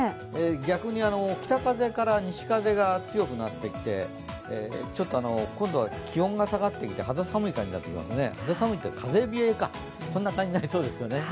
逆に北風から西風が強くなってきて、ちょっと今度は気温が下がってきて肌寒いというか風冷えか、そんな感じになりそうですね。